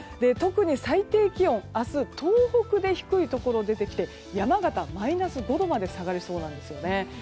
特に最低気温明日、東北で低いところ出てきて山形、マイナス５度まで下がりそうなんですね。